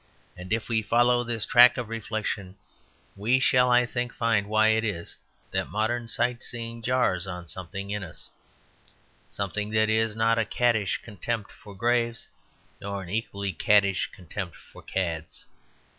And if we follow this track of reflection we shall, I think, really find why it is that modern sight seeing jars on something in us, something that is not a caddish contempt for graves nor an equally caddish contempt for cads.